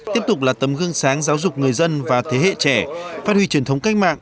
tiếp tục là tấm gương sáng giáo dục người dân và thế hệ trẻ phát huy truyền thống cách mạng